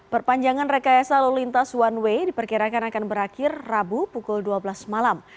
perpanjangan rekayasa lalu lintas one way diperkirakan akan berakhir rabu pukul dua belas malam